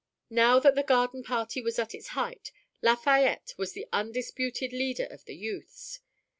Now that the garden party was at its height, Lafayette was the undisputed leader of the youths.